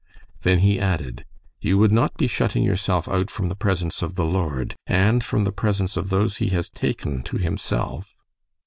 Then he added, "You would not be shutting yourself out from the presence of the Lord and from the presence of those he has taken to himself?"